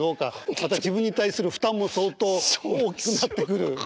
また自分に対する負担も相当大きくなってくる。